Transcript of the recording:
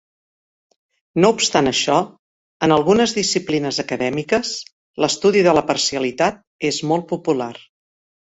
No obstant això, en algunes disciplines acadèmiques, l'estudi de la parcialitat és molt popular.